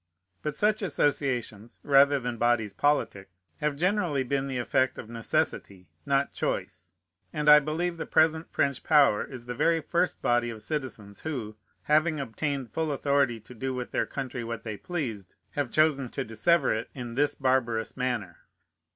But such associations, rather than bodies politic, have generally been the effect of necessity, not choice; and I believe the present French power is the very first body of citizens who, having obtained full authority to do with their country what they pleased, have chosen to dissever it in this barbarous manner.